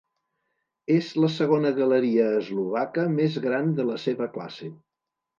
És la segona galeria eslovaca més gran de la seva classe.